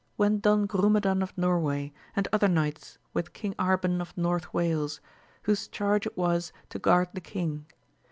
went Don Grumedan of Norway, and other knights with King Arban of North Wales, whose charge it was to guard the king.